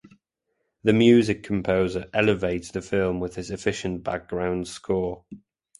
The music composer elevates the film with his efficient background score.